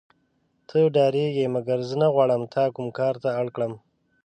ته ډارېږې مګر زه نه غواړم تا کوم کار ته اړ کړم.